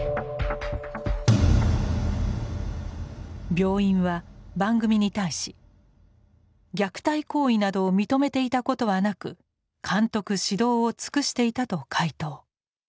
病院は番組に対し「虐待行為などを認めていたことはなく監督指導を尽くしていた」と回答。